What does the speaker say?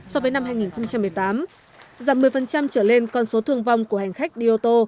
so với năm hai nghìn một mươi tám giảm một mươi trở lên con số thương vong của hành khách đi ô tô